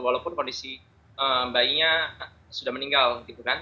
walaupun kondisi bayinya sudah meninggal gitu kan